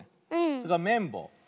それからめんぼう。